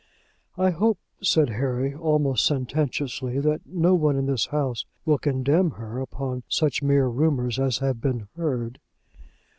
"I hope," said Harry, almost sententiously, "that no one in this house will condemn her upon such mere rumours as have been heard."